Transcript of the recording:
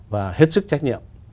và hết sức trách nhiệm